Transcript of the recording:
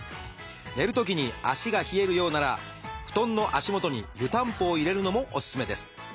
寝るときに足が冷えるようなら布団の足元に湯たんぽを入れるのもおすすめです。